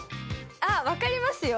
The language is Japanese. あっわかりますよ。